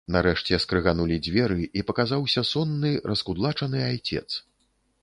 Нарэшце скрыганулі дзверы і паказаўся сонны, раскудлачаны айцец.